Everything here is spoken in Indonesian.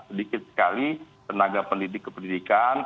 sedikit sekali tenaga pendidik kependidikan